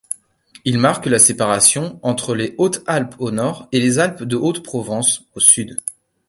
Il marque la séparation entre les Hautes-Alpes au nord et les Alpes-de-Haute-Provence au sud.